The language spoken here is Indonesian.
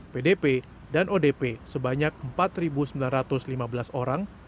pdp dan odp sebanyak empat sembilan ratus lima belas orang